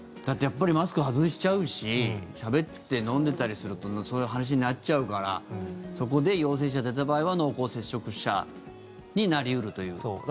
だって、やっぱりマスク外しちゃうししゃべって飲んでたりするとそういう話になっちゃうからそこで陽性者が出た場合は濃厚接触者になり得るという。